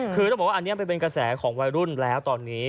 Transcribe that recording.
คือต้องบอกว่าอันนี้มันเป็นกระแสของวัยรุ่นแล้วตอนนี้